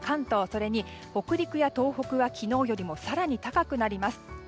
それに北陸や東北は昨日よりも更に、高くなります。